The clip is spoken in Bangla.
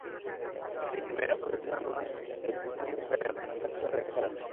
এদিকে মেয়র পদে দুজন মনোনয়নপ্রত্যাশীকে দু-তিন দিন ধরে মাঠঘাট চষে বেড়াতে দেখা যাচ্ছে।